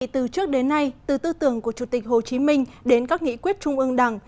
từ trước đến nay từ tư tưởng của chủ tịch hồ chí minh đến các nghị quyết trung ương đảng